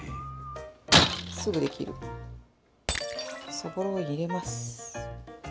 そぼろを入れます。